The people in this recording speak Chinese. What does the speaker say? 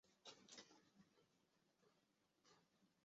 托旺达镇区为位在美国堪萨斯州巴特勒县的镇区。